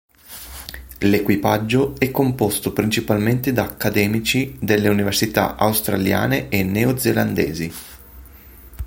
L'equipaggio è composto principalmente da accademici delle università australiane e neozelandesi.